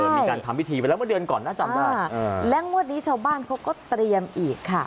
มีการทำพิธีไปแล้วเมื่อเดือนก่อนนะจำได้และงวดนี้ชาวบ้านเขาก็เตรียมอีกค่ะ